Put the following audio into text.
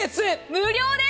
無料です。